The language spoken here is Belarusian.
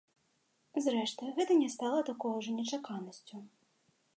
Зрэшты, гэта не стала такой ужо нечаканасцю.